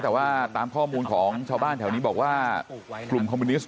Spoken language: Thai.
แต่ว่าตามข้อมูลของชาวบ้านแถวนี้บอกว่ากลุ่มคอมมิวนิสต